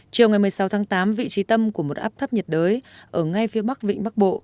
chiều ngày một mươi sáu tháng tám vị trí tâm của một áp thấp nhiệt đới ở ngay phía bắc vịnh bắc bộ